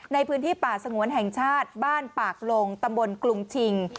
ในพื้นที่ป่าสงวนแห่งชาติบ้านปากลงตำบลกรุงชิง